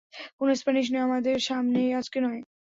কোনো স্প্যানিশ নয়, আমাদের সামনে, আজকে নয়।